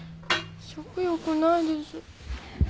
食欲ないです。